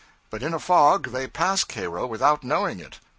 But in a fog, they pass Cairo without knowing it.